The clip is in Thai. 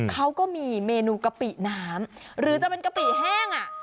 เขาก็มีเมนูกะปิน้ำหรือจะเป็นกะปิแห้งอ่ะ